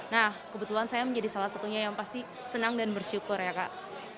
nah kebetulan saya menjadi salah satunya yang pasti senang dan bersyukur ya kak